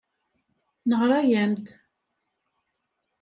Neɣra-am-d.